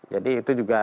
jadi itu juga